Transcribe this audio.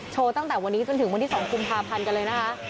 ตั้งแต่วันนี้จนถึงวันที่๒กุมภาพันธ์กันเลยนะคะ